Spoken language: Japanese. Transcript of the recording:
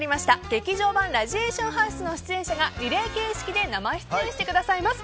「劇場版ラジエーションハウス」の出演者がリレー形式で生出演してくださいます。